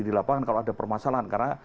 di lapangan kalau ada permasalahan karena